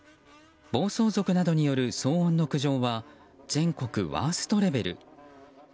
暴走族などによる騒音の苦情は全国ワーストレベル。